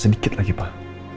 sedikit lagi pak